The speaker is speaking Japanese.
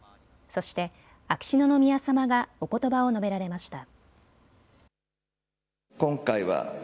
そして秋篠宮さまがおことばを述べられました。